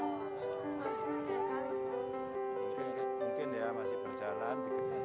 mungkin ya masih berjalan